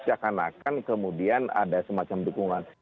seakan akan kemudian ada semacam dukungan